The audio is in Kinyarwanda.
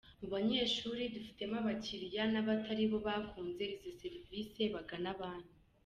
Mu banyeshuri dufitemo abakiliya, n’abatari bo bakunze izo serivisi bagana banki.